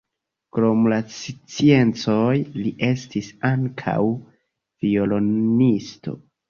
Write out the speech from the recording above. Krom la sciencoj li estis ankaŭ violonisto.